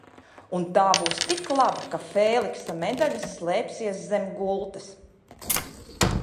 Un tā būs tik laba, ka Fēliksa medaļas slēpsies zem gultas!